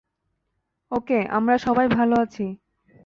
ওকে আমরা সবাই ভাল আছি।